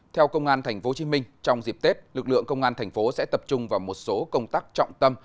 theo công an tp hcm trong dịp tết lực lượng công an thành phố sẽ tập trung vào một số công tác trọng tâm